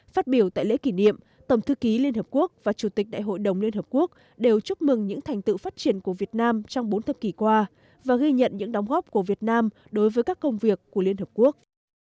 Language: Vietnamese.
phát biểu tại lễ kỷ niệm tổng thư ký liên hợp quốc và chủ tịch đại hội đồng liên hợp quốc đều chúc mừng những thành tựu phát triển của việt nam trong bốn thập kỷ qua và ghi nhận những đóng góp của việt nam đối với các công việc của liên hợp quốc